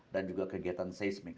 dan juga kegiatan seismik